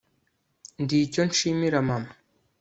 ndi icyo nshimira mama